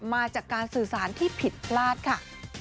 มาจากการสื่อสารที่ผิดพลาดค่ะ